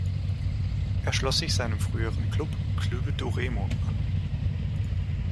Er schloss sich seinem früheren Klub Clube do Remo an.